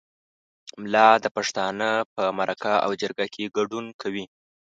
ملا د پښتانه په مرکه او جرګه کې ګډون کوي.